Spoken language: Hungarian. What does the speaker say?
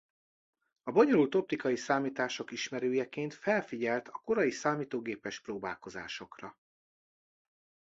A bonyolult optikai számítások ismerőjeként felfigyelt a korai számítógépes próbálkozásokra.